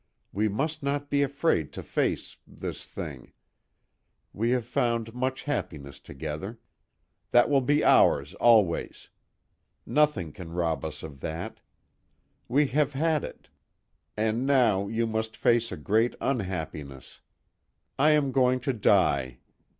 "We must not be afraid to face this thing. We have found much happiness together. That will be ours always. Nothing can rob us of that. We have had it. And now you must face a great unhappiness. I am going to die.